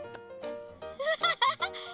ハハハハ！